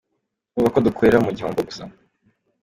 Urumva ko dukorera mu gihombo gusa.